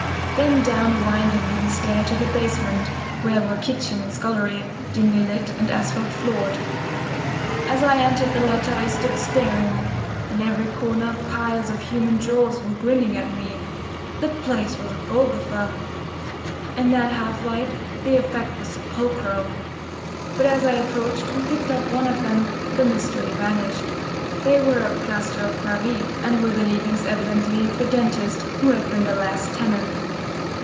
Then down a winding wooden stair to the basement, where were kitchen and scullery, dimly lit, and asphalt floored. As I entered the latter I stood staring. In every corner piles of human jaws were grinning at me. The place was a Golgotha! In that half light the effect was sepulchral. But as I approached and picked up one of them the mystery vanished. They were of plaster of Paris, and were the leavings evidently of the dentist, who had been the last tenant.